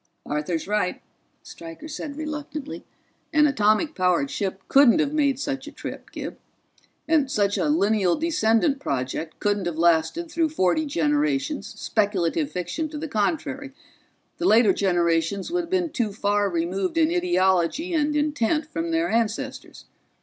"Arthur's right," Stryker said reluctantly. "An atomic powered ship couldn't have made such a trip, Gib. And such a lineal descendant project couldn't have lasted through forty generations, speculative fiction to the contrary the later generations would have been too far removed in ideology and intent from their ancestors.